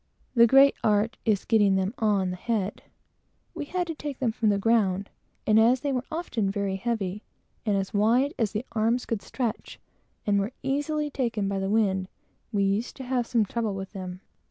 The great art is in getting them on the head. We had to take them from the ground, and as they were often very heavy, and as wide as the arms could stretch and easily taken by the wind, we used to have some trouble with them.